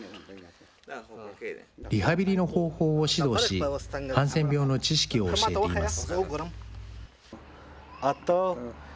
リハビリの方法を指導し、ハンセン病の知識を教えています。